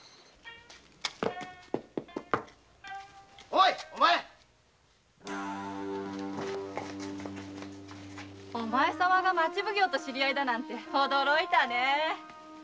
おいお前お前様が町奉行と知り合いだなんて驚いたね。